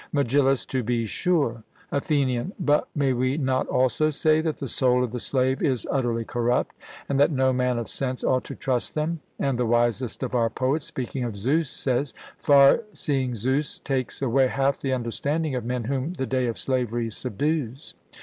MEGILLUS: To be sure. ATHENIAN: But may we not also say that the soul of the slave is utterly corrupt, and that no man of sense ought to trust them? And the wisest of our poets, speaking of Zeus, says: 'Far seeing Zeus takes away half the understanding of men whom the day of slavery subdues.'